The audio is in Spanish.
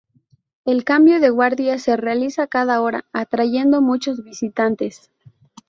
El cambio de guardia se realiza cada hora, atrayendo muchos visitantes.